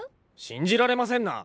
信じられませんな。